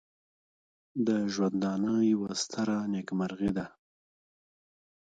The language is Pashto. د ژوندانه یوه ستره نېکمرغي ده.